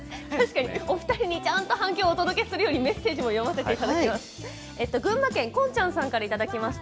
お二人に反響をお届けするようにメッセージも読ませていただきます。